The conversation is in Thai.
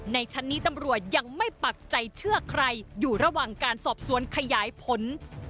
ชั้นนี้ตำรวจยังไม่ปักใจเชื่อใครอยู่ระหว่างการสอบสวนขยายผล